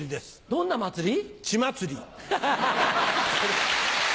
どんな祭り？